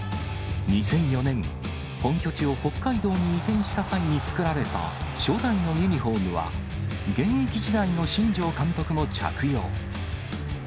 ２００４年、本拠地を北海道に移転した際に作られた、初代のユニホームは、現役時代の新庄監督も着用。